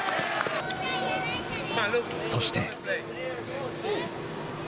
そして。